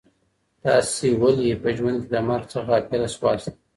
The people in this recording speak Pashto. تاسي ولي په ژوند کي د مرګ څخه غافله سواست؟